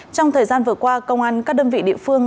trong thời gian vừa qua công an các đơn vị địa phương